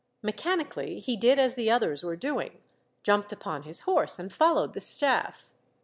Mechanically he did as the others were doing, jumped upon his horse and followed the stafT.